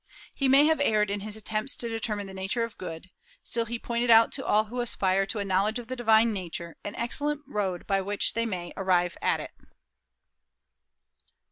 He may have erred in his attempts to determine the nature of good; still he pointed out to all who aspire to a knowledge of the divine nature an excellent road by which they may arrive at it."